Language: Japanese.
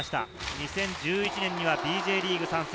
２０１１年にはｂｊリーグ参戦。